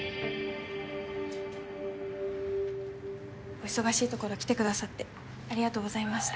お忙しいところ来てくださってありがとうございました。